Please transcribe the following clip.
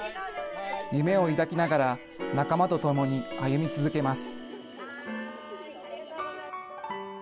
夢を抱きながら仲間と共に歩み続けます。